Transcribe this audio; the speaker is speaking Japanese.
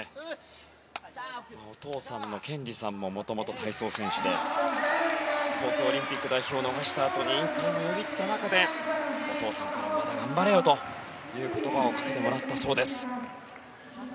お父さんの賢二さんも元々体操選手で東京オリンピック代表を逃したあとに引退もよぎった中でお父さんからまだ頑張れよと言葉をかけてもらったそうです。